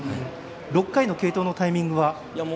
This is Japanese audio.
６回の継投のタイミングは？